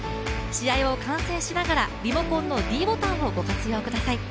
試合を観戦しながら、リモコンのｄボタンをご活用ください。